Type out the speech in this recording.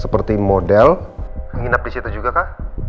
seperti model yang nginap disitu juga kak